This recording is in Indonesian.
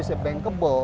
supaya dia bisa bankable